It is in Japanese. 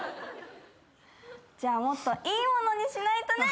じゃあもっといいものにしないとね。